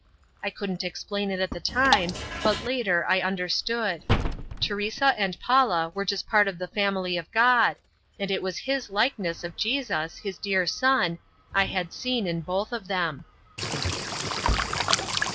I couldn't explain it at the time, but later I understood Teresa and Paula were just part of the family of God and it was His likeness of Jesus, His dear Son, I had seen in both of them.